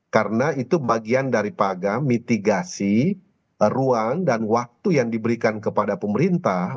karena itu bagian dari pagam mitigasi ruang dan waktu yang diberikan kepada pemerintah